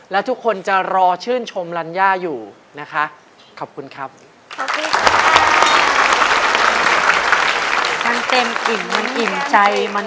และทุกคนจะรอชื่นชมรัญญาอยู่นะคะ